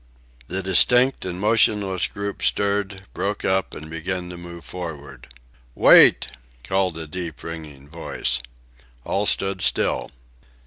The distinct and motionless group stirred, broke up, began to move forward. "Wait!" cried a deep, ringing voice. All stood still.